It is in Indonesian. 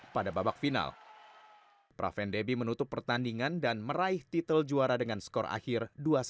pada babak final praven debbie menutup pertandingan dan meraih titel juara dengan skor akhir dua satu